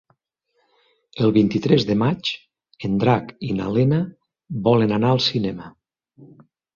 El vint-i-tres de maig en Drac i na Lena volen anar al cinema.